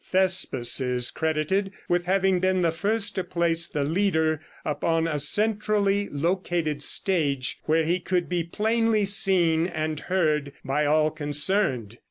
Thespis is credited with having been the first to place the leader upon a centrally located stage where he could be plainly seen and heard by all concerned.